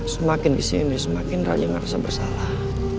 semakin di sini semakin raja gak ngerasa bersalah